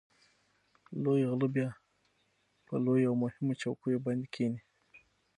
لوی غله بیا په لویو او مهمو چوکیو باندې کېني.